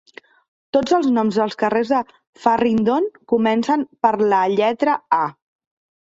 Tots els noms dels carrers de Farringdon comencen per la lletra A.